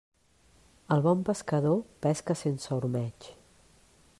El bon pescador pesca sense ormeig.